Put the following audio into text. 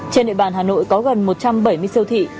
trên địa bàn hà nội có gần một trăm bảy mươi siêu thị